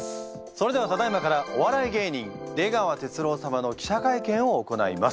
それではただいまからお笑い芸人出川哲朗様の記者会見を行います。